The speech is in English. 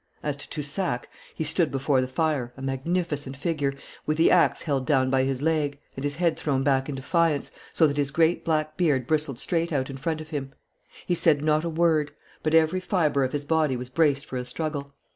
As to Toussac, he stood before the fire, a magnificent figure, with the axe held down by his leg, and his head thrown back in defiance, so that his great black beard bristled straight out in front of him. He said not a word, but every fibre of his body was braced for a struggle.